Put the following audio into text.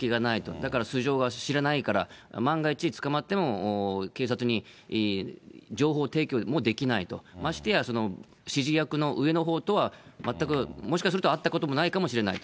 だから素性は知れないから、万が一捕まっても、警察に情報提供もできないと、ましてや指示役の上のほうとは、全くもしかすると会ったこともないかもしれないと。